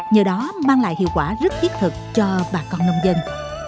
nhờ đó mang lại hiệu quả rất thiết thực cho bà con nông dân